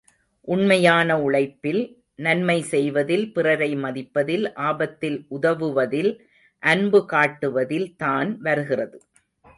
உண்மையான உழைப்பில், நன்மை செய்வதில், பிறரை மதிப்பதில், ஆபத்தில் உதவுவதில், அன்புகாட்டுவதில் தான் வருகிறது.